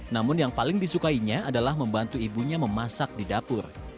namun yang paling disukainya adalah membantu ibunya memasak di dapur